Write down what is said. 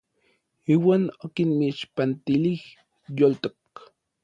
Iuan okinmixpantilij yoltok.